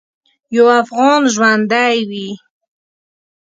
یو افغان ژوندی وي.